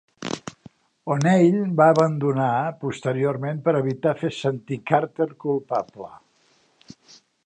O'Neill va "abandonar" posteriorment per evitar fer sentir Carter culpable.